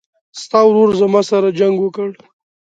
ستا ورور زما سره جنګ وکړ